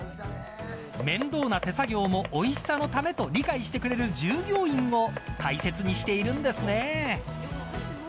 面倒な手作業もおいしさのためという理解してくれる従業員を大切にしているんですね。